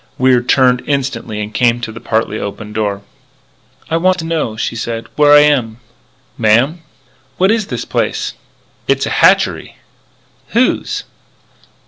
Wier turned instantly and came to the partly open door. "I want to know," she said, "where I am." "Ma'am?" "What is this place?" "It's a hatchery " "Whose?"